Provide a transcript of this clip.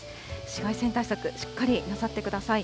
紫外線対策、しっかりなさってください。